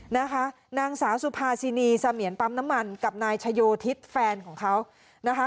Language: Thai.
นางสาวสุภาชินีเสมียนปั๊มน้ำมันกับนายชโยทิศแฟนของเขานะคะ